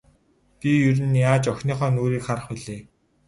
Би ер нь яаж охиныхоо нүүрийг харах билээ.